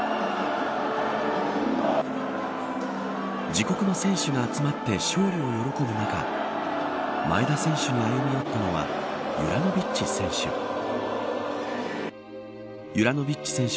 自国の選手が集まって勝利を喜ぶ中前田選手に歩み寄ったのはユラノヴィッチ選手。